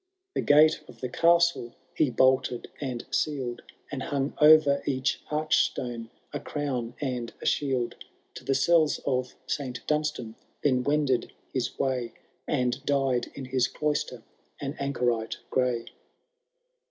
The gate of the castle he bolted and seal*d. And hung o*er each arch stone a crown and a shield ; To the cells of St Dunstan then wended his way. And died in his cloister an anchorite gray.